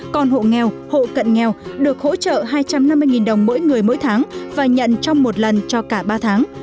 còn hộ nghèo hộ cận nghèo được hỗ trợ hai trăm năm mươi đồng mỗi người mỗi tháng và nhận trong một lần cho cả ba tháng